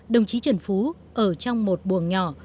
đồng chí trần phú ở trong một buồng nhỏ